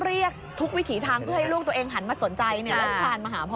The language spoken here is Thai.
เรียกทุกวิถีทางเพื่อให้ลูกตัวเองหันมาสนใจแล้วคลานมาหาพ่อ